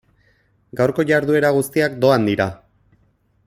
Gaurko jarduera guztiak doan dira.